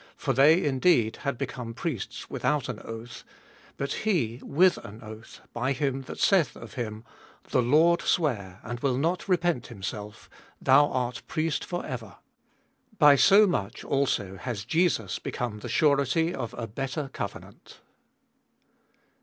(For they indeed had become priests without an oath ; but he with an oath by Vilm that saith of Mm, The Lord sware and will not repent himself, Thou art priest for ever) ; 22. By so much also has Jesus become the surety of a better covenant.